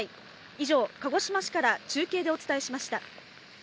以上、鹿児島市から中継でお伝えしました。